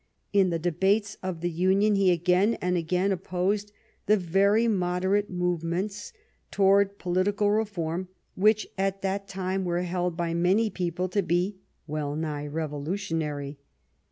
In the debates of the Union he again and again op posed the very moderate movements towards political reform which at that time were held by many people to be well nigh revolutionary.